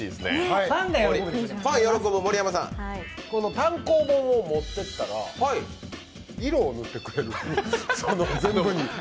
単行本を持っていったら色を塗ってくれる。